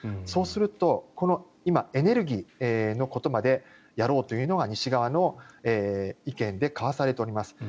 そうするとこの今、エネルギーのことまでやろうというのが西側の意見で交わされております。